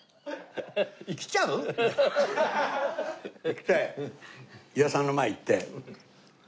来て裕也さんの前へ行って。